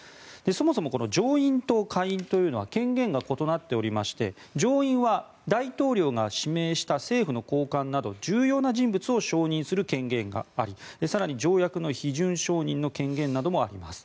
そもそもこの上院と下院というのは権限が異なっておりまして上院は大統領が指名した政府の高官など重要な人物を承認する権限があり更に条約の批准承認の権限などもあります。